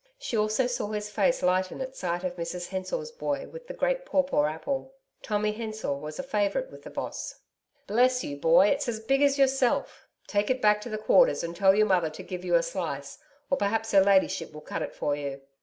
She also saw his face lighten at sight of Mrs Hensor's boy with the great pawpaw apple. Tommy Hensor was a favourite with the Boss. 'Bless you, boy, it's as big as yourself. Take it back to the Quarters and tell your mother to give you a slice, or perhaps her ladyship will cut it for you.'